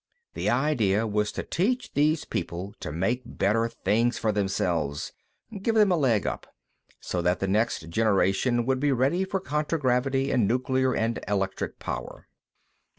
The idea was to teach these people to make better things for themselves; give them a leg up, so that the next generation would be ready for contragravity and nuclear and electric power.